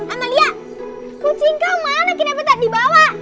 amalia kucing kau mana kenapa tak dibawa